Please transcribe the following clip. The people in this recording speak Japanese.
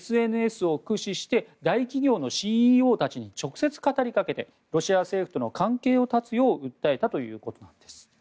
ＳＮＳを駆使して大企業のＣＥＯたちに直接語りかけてロシア政府との関係を絶つよう訴えたということです。